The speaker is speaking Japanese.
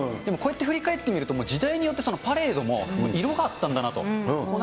でもこうやって振り返ってみると、時代によって、パレードも色があったんだなと。